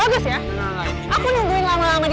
aku selalu gak suka ya sikap kamu yang kayak gini